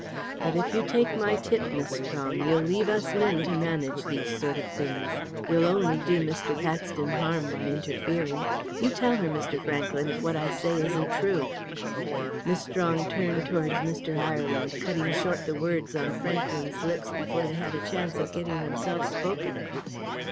But, if you take my tip, Miss Strong, you'll leave us men to manage these sort of things. You'll only do Mr. Paxton harm by interfering. You tell her, Mr. Franklyn, if what I say isn't true." Miss Strong turned towards Mr. Ireland, cutting short the words on Franklyn's lips before they had a chance of getting themselves spoken.